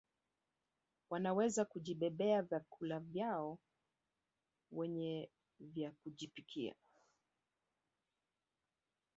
Wanaweza kujibebea vyakula vyao wenyewe vya kujipikia